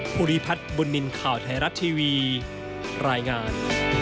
ภูริพัฒน์บุญนินทร์ข่าวไทยรัฐทีวีรายงาน